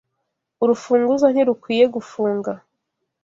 Urufunguzo ntirukwiye gufunga.